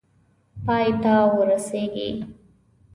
پای ته ورسیږي.